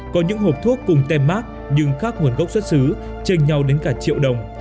có những hộp thuốc cùng tem mát nhưng khác nguồn gốc xuất xứ chênh nhau đến cả triệu đồng